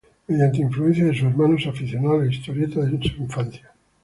Mediante influencia de sus hermanos se aficionó a la historieta en su infancia.